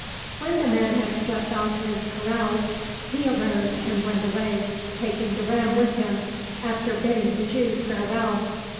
When the man had slept off his carouse, he arose and went away, taking the ram with him, after bidding the Jews farewell.